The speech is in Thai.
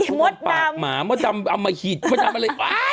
ขอมาปากมหาสมัครมดดำอามเห็นอยู่